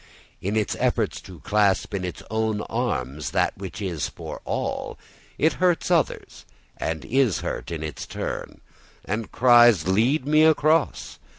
In its efforts to clasp in its own arms that which is for all, it hurts others and is hurt in its turn, and cries, "Lead me across".